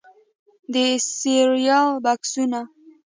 د سیریل بکسونو